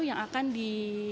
yang akan di